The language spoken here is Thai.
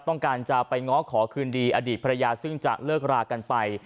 ต้องการจะไปง้อขอคืนดีอดีตภรรยาซึ่งจะเลิกรากันไป